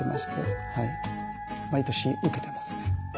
毎年受けてますね。